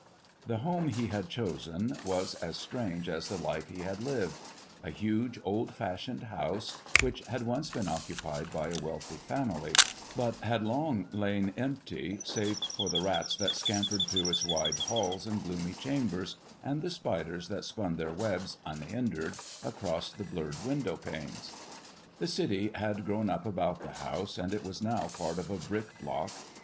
The home he had chosen was as strange as the life he had lived; a huge, old fashioned house, which had once been occupied by a wealthy family, but had long lain empty, save for the rats that scampered through its wide halls and gloomy chambers, and the spiders that spun their webs unhindered across the blurred window panes. The city had grown up about the house, and it was now part of a brick block.